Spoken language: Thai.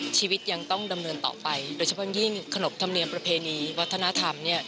ชีวิตยังต้องดำเนินต่อไปโดยเฉพาะยิ่งขนบธรรมเนียมประเพณีวัฒนธรรม